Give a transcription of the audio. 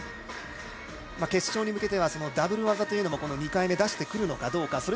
決勝に向けてはダブル技も２回目、出してくるのかどうか。